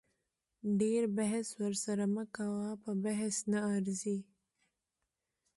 ډیر بحث مه ورسره کوه په بحث نه ارزي